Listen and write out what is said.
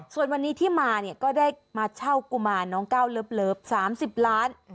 ส่วนวันนี้ที่มาเนี่ยก็ได้มาเช่ากุมารน้องก้าวเลิฟ๓๐ล้าน